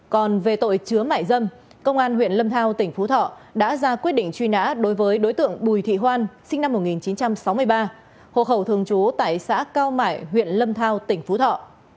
còn về tội chứa mại dâm công an huyện lâm thao tỉnh phú thọ đã ra quyết định truy nã đối với đối tượng bùi thị hoan sinh năm một nghìn chín trăm sáu mươi ba hộ khẩu thường trú tại xã cao mại huyện lâm thao tỉnh phú thọ